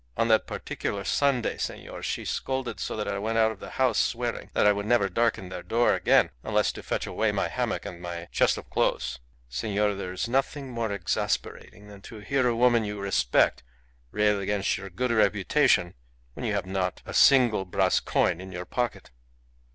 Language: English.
On that particular Sunday, senor, she scolded so that I went out of the house swearing that I would never darken their door again unless to fetch away my hammock and my chest of clothes. Senor, there is nothing more exasperating than to hear a woman you respect rail against your good reputation when you have not a single brass coin in your pocket.